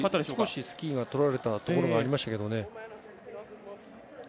少しスキーがとられたところがありましたけどね。